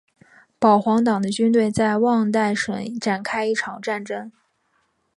保皇党的军队在旺代省展开一场战争。